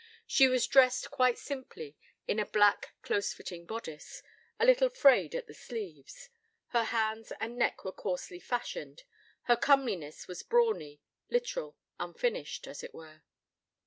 She was dressed quite simply, in a black, close fitting bodice, a little frayed at the sleeves. Her hands and neck were coarsely fashioned: her comeliness was brawny, literal, unfinished, as it were.